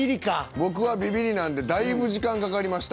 僕はビビリなんでだいぶ時間かかりました。